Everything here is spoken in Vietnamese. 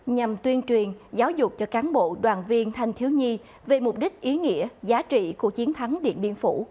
nhằm tuyên truyền giáo dục cho cán bộ đoàn viên thanh thiếu nhi về mục đích ý nghĩa giá trị của chiến thắng điện biên phủ